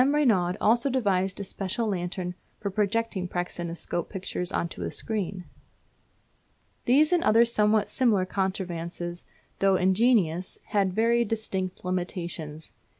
Reynaud also devised a special lantern for projecting praxinoscope pictures on to a screen. These and other somewhat similar contrivances, though ingenious, had very distinct limitations.